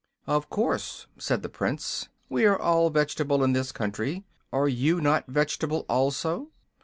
"Of course," said the Prince. "We are all vegetable, in this country. Are you not vegetable, also?"